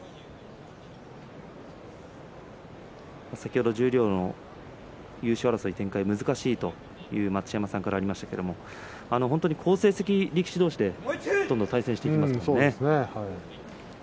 先ほど十両の優勝争いの展開は難しいと待乳山さんからありましたが好成績力士同士でどんどん対戦していきますのでね。